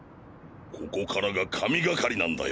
ここからが神がかりなんだよ。